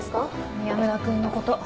宮村君のこと。